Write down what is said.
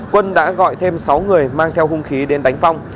quân đã gọi thêm sáu người mang theo hung khí đến đánh phong